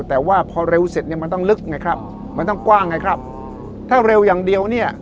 แต่ว่าพอเร็วเสร็จเนี่ยมันต้องลึกไงครับมันต้องกว้างไงครับถ้าเร็วอย่างเดียวเนี่ย